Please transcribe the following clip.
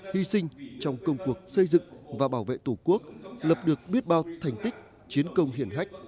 hy sinh trong công cuộc xây dựng và bảo vệ tổ quốc lập được biết bao thành tích chiến công hiển hách